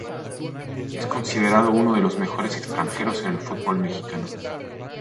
Es considerado uno de los mejores extranjeros en el fútbol mexicano.